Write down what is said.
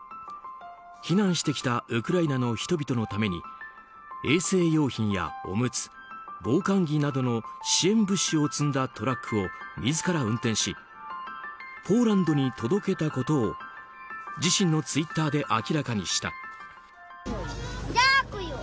避難してきたウクライナの人々のために衛生用品やおむつ防寒着などの支援物資を積んだトラックを自ら運転しポーランドに届けたことを自身のツイッターで明らかにした。